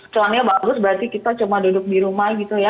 celangnya bagus berarti kita cuma duduk di rumah gitu ya